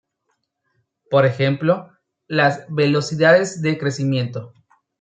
Por ejemplo, las velocidades de crecimiento.